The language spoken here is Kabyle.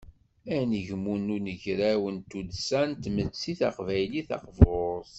Anegmu n unagraw n tuddsa n tmetti taqbaylit taqburt.